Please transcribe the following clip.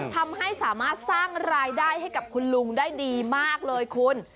ทำให้สามารถสร้างรายได้ให้กับคุณลุงได้ดีมากเลยคุณ